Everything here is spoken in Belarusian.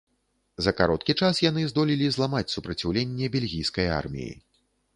За кароткі час яны здолелі зламаць супраціўленне бельгійскай арміі.